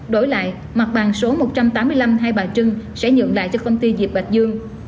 đổi lại mặt bằng số một trăm tám mươi năm hai bà trưng sẽ nhượng lại cho công ty diệp bạch dương